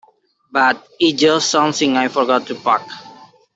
But it's just something I forgot to pack.